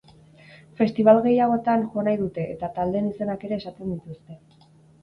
Festibal gehiagotan jo nahi dute eta taldeen izenak ere esaten dituzte.